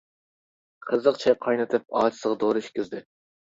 قىزىق چاي قاينىتىپ ئاچىسىغا دورا ئىچكۈزدى.